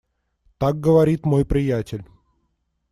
Так говорит мой приятель.